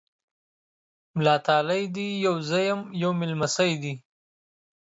مولا تالی دی! يو زه یم، یو مې نمسی دی۔